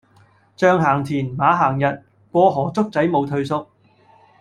象行田,馬行日,過河卒仔無退縮